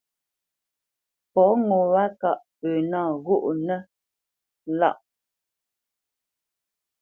Fɔ ŋo wâ ŋkâʼ pə nâ ghóʼnənə́ lâʼ.